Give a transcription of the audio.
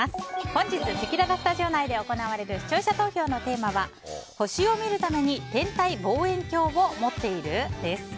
本日せきららスタジオ内で行われる視聴者投票のテーマは星を見るために天体望遠鏡を持っている？です。